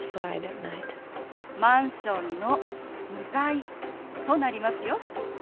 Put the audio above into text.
「マンションの向かい」となりますよ。